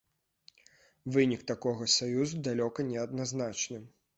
Вынік такога саюза далёка не адназначны.